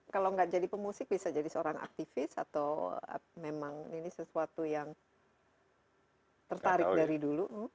kalau nggak jadi pemusik bisa jadi seorang aktivis atau memang ini sesuatu yang tertarik dari dulu